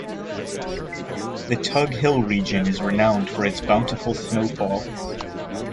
The Tug Hill region is renowned for its bountiful snowfall.